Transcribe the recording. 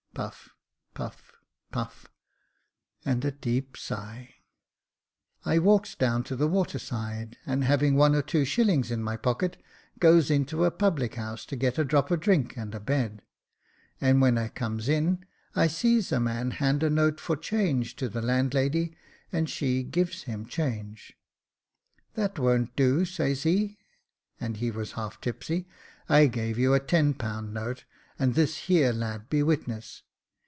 [Puff, puff, puff, and a deep sigh.] I walks down to the water side, and having one or two shillings in my pocket, goes into a public house to get a drop of drink and a bed. And when I comes in, I sees a man hand a note for change to the land lady, and she gives him change. * That won't do,' says he, and he was half tipsy :* I gave you a ten pound note, and this here lad be witness.'